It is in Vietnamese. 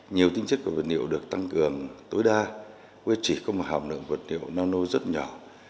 nhiều tính chất của vật liệu được tăng cường tối đa chỉ có một hàm lượng vật liệu nano rất nhỏ